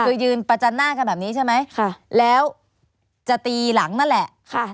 คือยืนประจันหน้ากันแบบนี้ใช่ไหมค่ะแล้วจะตีหลังนั่นแหละค่ะ